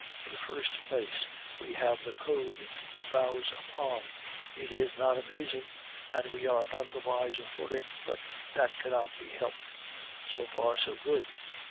In the first place, we have the Code to browse upon; it is not amusing, and we are none the wiser for it, but that cannot be helped. So far so good.